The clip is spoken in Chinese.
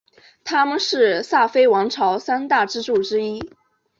他们是萨非王朝三大支柱之一。